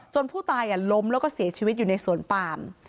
ผู้ตายล้มแล้วก็เสียชีวิตอยู่ในสวนปาม